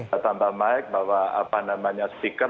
saya tambah mic bawa apa namanya speaker